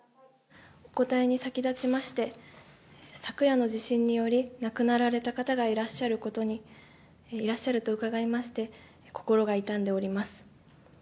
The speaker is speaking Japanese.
お答えに先立ちまして、昨夜の地震により、亡くなられた方がいらっしゃると伺いまして、心が痛んでおります。